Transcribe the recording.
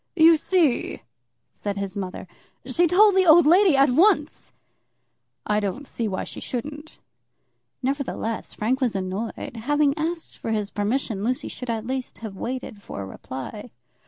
"You see," said his mother, "she told the old lady at once." "I don't see why she shouldn't." Nevertheless Frank was annoyed. Having asked for permission, Lucy should at least have waited for a reply.